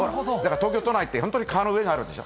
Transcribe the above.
東京都内って、本当に川の上にあるでしょ。